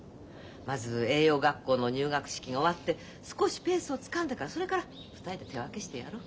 まず栄養学校の入学式が終わって少しペースをつかんでからそれから２人で手分けしてやろう。